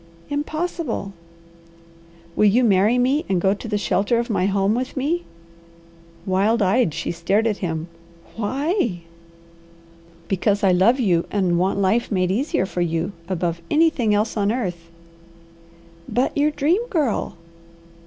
"Impossible!" "Will you marry me and go to the shelter of my home with me?" Wild eyed she stared at him. "Why?" "Because I love you, and want life made easier for you, above anything else on earth." "But your Dream Girl!"